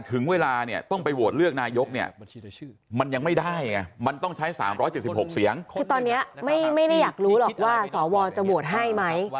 คือตอนนี้ไม่ได้อยากรู้หรอกว่าสวจะโหวตให้ไหม